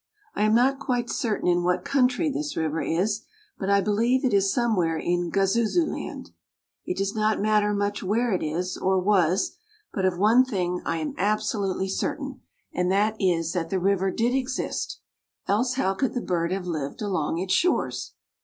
I am not quite certain in what country this river is but I believe it is somewhere in Gazazuland. It does not matter much where it is or was, but of one thing I am absolutely certain, and that is that the river did exist, else how could the bird have lived along its shores?